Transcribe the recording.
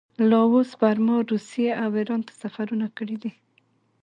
لاوس، برما، روسیې او ایران ته سفرونه کړي دي.